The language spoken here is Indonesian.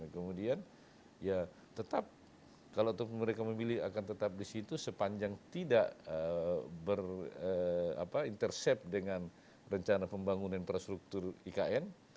kemudian ya tetap kalau mereka memilih akan tetap di situ sepanjang tidak berintercept dengan rencana pembangunan infrastruktur ikn